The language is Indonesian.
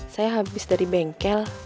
saya habis dari bengkel